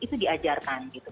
itu diajarkan gitu